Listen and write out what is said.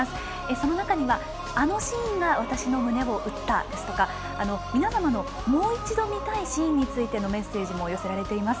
その中にはあのシーンが私の胸を打ったですとか皆様のもう一度見たいシーンについてのメッセージも寄せられています。